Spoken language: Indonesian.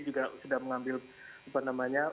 juga sudah mengambil